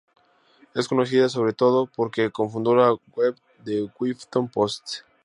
Es conocida sobre todo porque cofundó la web The Huffington Post.